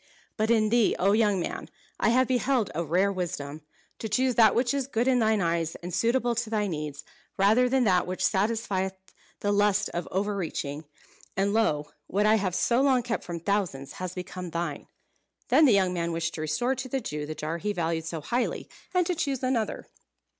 "But in thee, O young man! I have beheld a rare wisdom. To choose that which is good in thine eyes, and suitable to thy needs, rather than that which satisfieth the lust of over reaching; and lo! what I have so long kept from thousands, has become thine!" Then the young man wished to restore to the Jew the jar he valued so highly, and to choose another.